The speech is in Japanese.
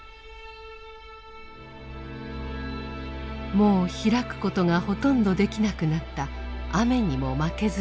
もう開くことがほとんどできなくなった「雨ニモマケズ」